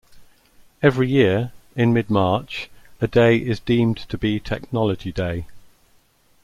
Every year, in mid March, a day is deemed to be Technology Day.